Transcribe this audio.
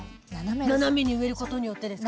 斜めに植えることによってですか？